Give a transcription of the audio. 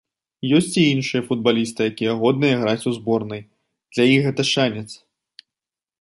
Ёсць і іншыя футбалісты, якія годныя граць у зборнай, для іх гэта шанец.